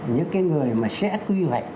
những cái người mà sẽ quy hoạch